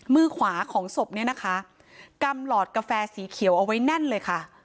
มือขวาของศพเนี่ยนะคะกำหลอดกาแฟสีเขียวเอาไว้แน่นเลยค่ะ